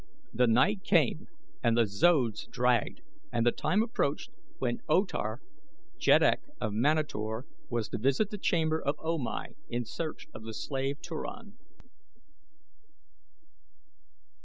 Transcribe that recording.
The night came and the zodes dragged and the time approached when O Tar, Jeddak of Manator, was to visit the chamber of O Mai in search of the slave Turan.